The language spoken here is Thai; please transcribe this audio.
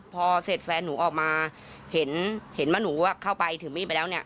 พอเสร็จแฟนหนูออกมาเห็นว่าหนูเข้าไปถือมีดไปแล้วเนี่ย